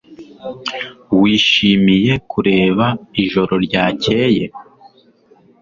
Wishimiye kureba ijoro ryakeye?